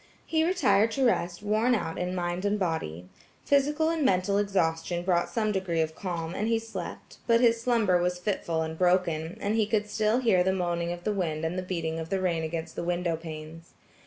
He retired to rest worn out in mind and body. Physical and mental exhaustion brought some degree of calm, and he slept, but his slumber was fitful and broken, and he could still hear the moaning of the wind and the beating of the rain against the window panes.